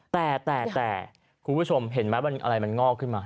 แต่แต่คุณผู้ชมเห็นไหมอะไรมันงอกขึ้นมา